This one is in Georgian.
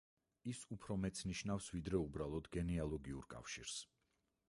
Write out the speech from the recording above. ის უფრო მეტს ნიშნავს ვიდრე უბრალოდ გენეალოგიურ კავშირს.